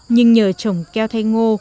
nhưng nhờ trồng keo thay ngô